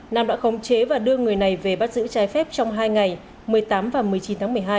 nam đã khống chế và đưa người này về bắt giữ trái phép trong hai ngày một mươi tám và một mươi chín tháng một mươi hai